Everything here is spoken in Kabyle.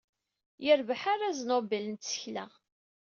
Yerbeḥ arraz Nobel n tsekla.